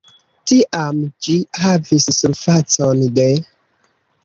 Tiam ĝi havis surfacon de.